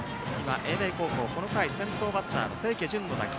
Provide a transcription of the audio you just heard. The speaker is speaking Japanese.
英明高校、この回先頭バッターの清家準の打球。